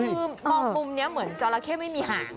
คือมองมุมนี้เหมือนจราเข้ไม่มีหาง